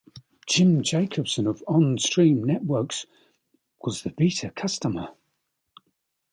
Jim Jacobson of OnStream Networks was the Beta Customer.